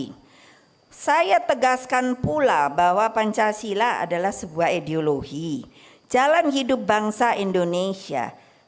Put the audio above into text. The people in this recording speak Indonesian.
hai saya tegaskan pula bahwa pancasila adalah sebuah ideologi jalan hidup bangsa indonesia